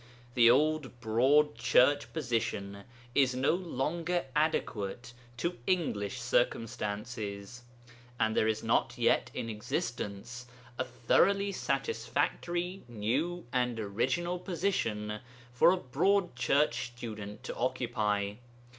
The Old Broad Church position is no longer adequate to English circumstances, and there is not yet in existence a thoroughly satisfactory new and original position for a Broad Church student to occupy.